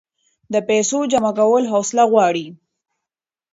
د پیسو جمع کول حوصله غواړي.